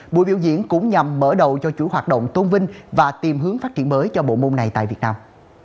buổi biểu diễn cũng nhằm mở đầu cho chủ hoạt động tôn vinh và tìm hướng phát triển mới cho bộ môn này tại việt nam